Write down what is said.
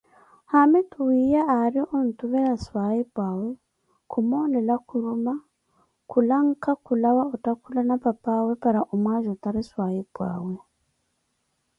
Haamitu wiiya ari ontuvela swahipwawe kumoonela huruma, khulanka kulawa ottakhulana papaawe para omwajutari swahipwaawe